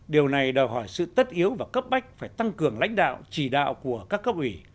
điều này đòi hỏi sự tất yếu và cấp bách phải tăng cường lãnh đạo chỉ đạo của các cấp ủy